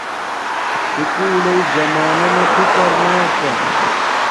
سکُول لݵ زمانانا فکر نا کا